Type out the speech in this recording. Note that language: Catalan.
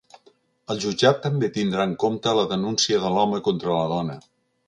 El jutjat també tindrà en compte la denúncia de l’home contra la dona.